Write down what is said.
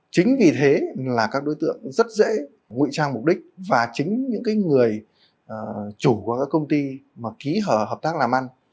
chính vì thế là các đối tượng rất dễ ngụy trang mục đích và chính những người chủ của các công ty mà ký hợp tác làm ăn